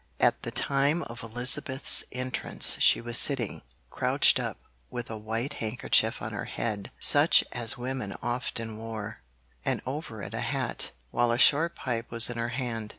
At the time of Elizabeth's entrance she was sitting crouched up, with a white handkerchief on her head such as women often wore, and over it a hat, while a short pipe was in her hand.